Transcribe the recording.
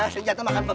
tuhan makan senggata